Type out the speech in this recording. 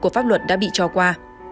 pháp luật đã bị cho qua